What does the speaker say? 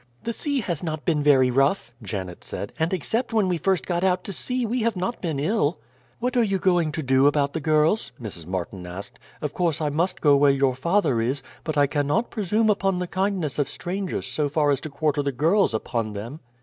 "The sea has not been very rough," Janet said; "and except when we first got out to sea we have not been ill." "What are you going to do about the girls?" Mrs. Martin asked. "Of course I must go where your father is, but I cannot presume upon the kindness of strangers so far as to quarter the girls upon them."